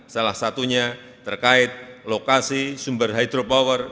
salah satunya terkait lokasi sumber hydropower